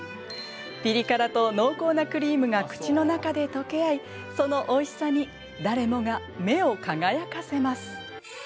ピリ辛と濃厚なクリームが口の中で溶け合いそのおいしさに誰もが目を輝かせます。